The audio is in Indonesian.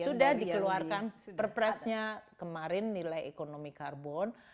sudah dikeluarkan perpresnya kemarin nilai ekonomi karbon